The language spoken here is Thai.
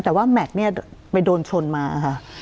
แต่ว่าแม็กซ์เนี่ยไปโดนชนมาค่ะ